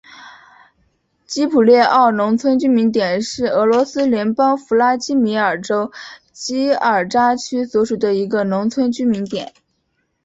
基普列沃农村居民点是俄罗斯联邦弗拉基米尔州基尔扎奇区所属的一个农村居民点。